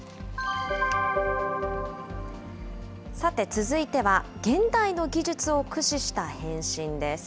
さて続いては、現代の技術を駆使した変身です。